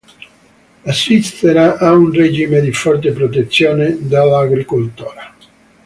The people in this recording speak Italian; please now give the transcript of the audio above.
La Svizzera ha un regime di forte protezione dell'agricoltura.